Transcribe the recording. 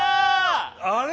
あれ？